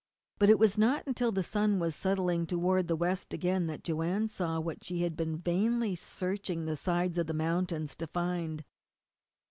But it was not until the sun was settling toward the west again that Joanne saw what she had been vainly searching the sides of the mountains to find.